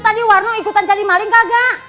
tadi warno ikutan cari maling kagak